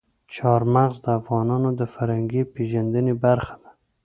چار مغز د افغانانو د فرهنګي پیژندنې برخه ده.